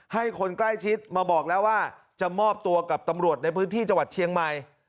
ให้คนใกล้ชิดมาบอกแล้วว่าจะมอบตัวกับตำรวจในพื้นที่จังหวัดเชียงใหม่